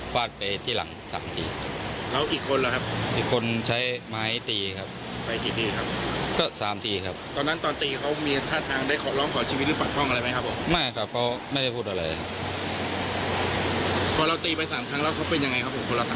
พอเราตีไป๓ครั้งแล้วเขาเป็นยังไงครับผมคนเรา๓ครั้งนะ